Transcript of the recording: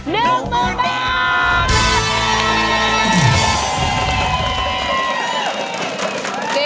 หนึ่งหมื่นบาท